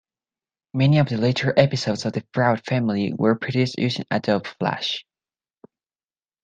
Many of the later episodes of "The Proud Family" were produced using Adobe Flash.